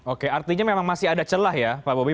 oke artinya memang masih ada celah ya pak bobi